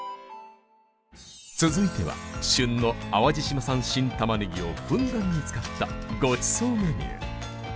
続いては旬の淡路島産新玉ねぎをふんだんに使ったごちそうメニュー